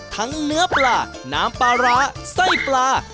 เนื้อปลาน้ำปลาร้าไส้ปลา